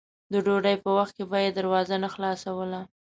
د ډوډۍ په وخت کې به یې دروازه نه خلاصوله.